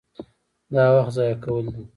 دا وخت ضایع کول دي.